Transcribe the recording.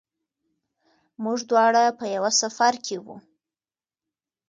موږ دواړه په یوه سفر کې وو.